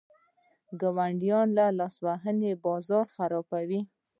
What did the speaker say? د ګاونډیو لاسوهنه بازار خرابوي.